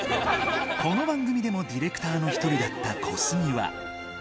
この番組でもディレクターの１人だった小杉は。